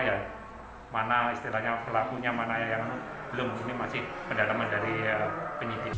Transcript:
yang mana istilahnya pelakunya mana yang belum ini masih pendapat dari penyitip